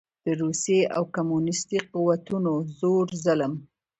د روسي او کميونسټو قوتونو زور ظلم